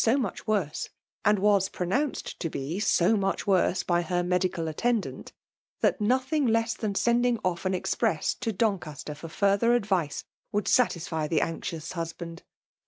0o much worsOj and was pronounced to be iSO mw^h worse by her medical attends^,, that nothing less than sending off an express to Doncaster for further advice wouhl :satisfy tiie anxious husband.